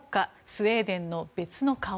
スウェーデンの別の顔。